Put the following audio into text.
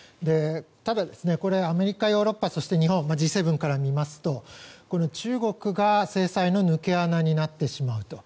ただ、アメリカヨーロッパ、日本Ｇ７から見ますと、中国が制裁の抜け穴になってしまうと。